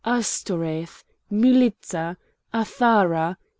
Astoreth! Mylitta! Athara!